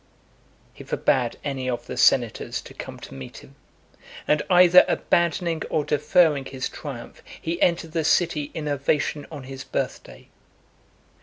He forbad any of the senators to come to meet him; and either abandoning or deferring his triumph, he entered the city in ovation on his birthday.